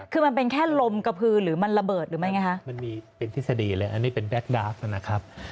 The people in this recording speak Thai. คือมันเป็นแค่ลมกระพือหรือมันระเบิดหรือไม่ไงฮะมันมีเป็นทฤษฎีเลยอันนี้เป็นแก๊กดาฟนะครับ